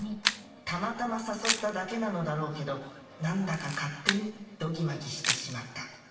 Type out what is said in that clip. たまたま誘っただけなのだろうけど何だか勝手にドギマギしてしまった